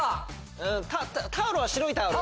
タオルは白いタオル？